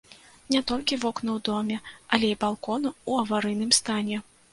Не толькі вокны ў доме, але і балконы ў аварыйным стане.